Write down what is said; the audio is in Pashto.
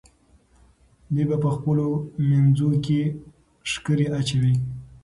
دوی په خپلو منځو کې ښکرې اچوي.